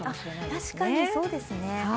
確かにそうですね。